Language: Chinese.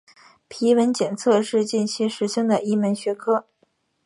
皮纹检测是近期时兴的一门学科。